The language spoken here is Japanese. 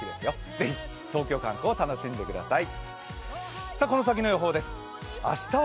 ぜひ、東京観光を楽しんでください